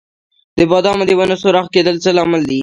د بادامو د ونو سوراخ کیدل څه لامل لري؟